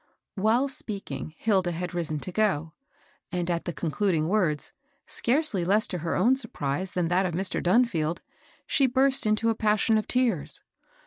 While speaking, Hilda had risen to go ; and, at the concluding words, — scarcely less to her own surprise than that of Mr. Dunfield, — she burst into a passion of tears.